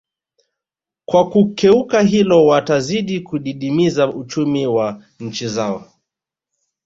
Kwa kukeuka hilo watazidi kudidimiza uchumi wa nchi zao